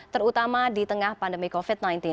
terutama di tengah pandemi covid sembilan belas